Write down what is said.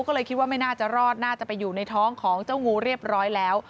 ก็เลยคิดว่าไม่น่าจะรอดน่าจะไปอยู่ในท้องของเจ้างูเรียบร้อยแล้ว